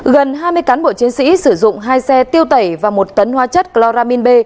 gần hai mươi cán bộ chiến sĩ sử dụng hai xe tiêu tẩy và một tấn hoa chất chloramin b